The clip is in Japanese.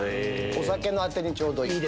お酒のアテにちょうどいい。